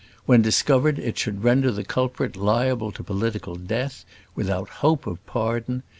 When discovered, it should render the culprit liable to political death, without hope of pardon.